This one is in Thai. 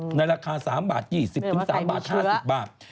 รณราคา๓บาท๒๐บาทถึง๓บาท๕๐บาท